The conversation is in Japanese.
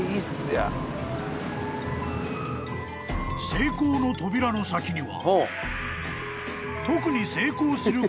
［成功の扉の先には］